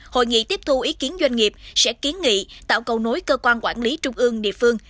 hội nghị tiếp thu ý kiến doanh nghiệp sẽ kiến nghị tạo cầu nối cơ quan quản lý trung ương địa phương